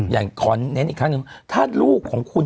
อย่างขอเน้นอีกครั้งหนึ่งถ้าลูกของคุณ